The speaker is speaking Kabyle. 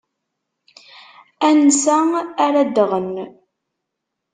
Ansa ara ddɣen?